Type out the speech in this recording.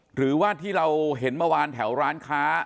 หรือว่าที่เราเห็นเมื่อวานแถวร้านค้า